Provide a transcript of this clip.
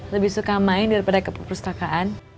lebih suka main daripada ke perpustakaan